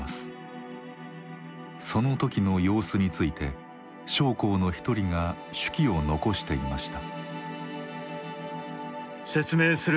その時の様子について将校の一人が手記を残していました。